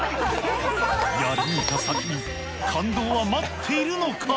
やり抜いた先に、感動は待っているのか？